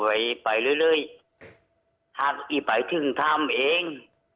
ถ้าไอ้ไหว้ถึงธรรมเอง